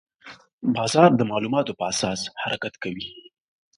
بازار د معلوماتو په اساس حرکت کوي.